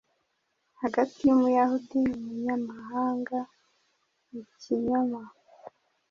hagati y’Umuyahudi UmunyamahangaIkinyoma: